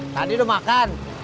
tadi udah makan